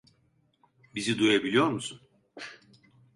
Bizi duyabiliyor musun?